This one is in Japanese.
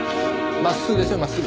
真っすぐですよ真っすぐ。